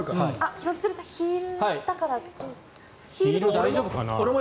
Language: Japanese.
廣津留さんヒールだから。